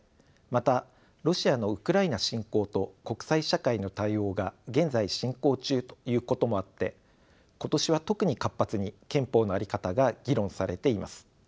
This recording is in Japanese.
またロシアのウクライナ侵攻と国際社会の対応が現在進行中ということもあって今年は特に活発に憲法の在り方が議論されています。